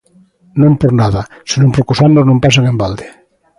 Non por nada, senón porque os anos non pasan en balde.